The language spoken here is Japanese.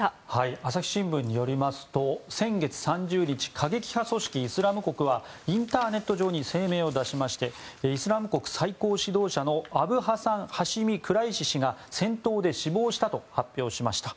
朝日新聞によりますと先月３０日過激派組織イスラム国はインターネット上に声明を出しイスラム国最高指導者のアブハサン・ハシミ・クライシ氏が戦闘で死亡したと発表しました。